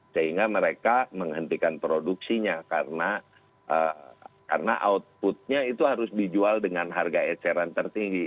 sehingga mereka menghentikan produksinya karena outputnya itu harus dijual dengan harga eceran tertinggi